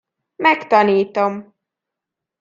Megtanítom.